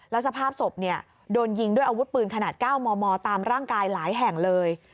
แล้วสภาพศพโดนยิงด้วยอาวุธปืนขนาด๙มมตามร่างกายหลายแห่งเลย